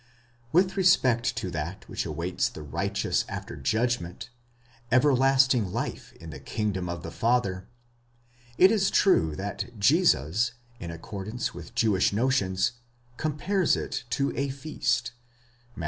With respect to that which awaits the righteous after judgment,—everlasting life in the kingdom of the Father,—it is true that Jesus, in accordance with Jewish notions,* compares it to a feast (Matt.